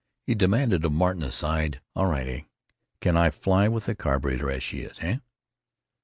He demanded of Martin, aside: "All right, heh? Can I fly with the carburetor as she is? Heh?"